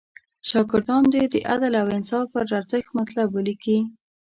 شاګردان دې د عدل او انصاف پر ارزښت مطلب ولیکي.